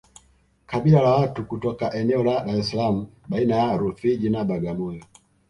kabila la watu kutoka eneo la Dar es Salaam baina ya Rufiji na Bagamoyo